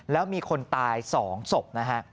แล้วมีคนตาย๒ศพนะฮะ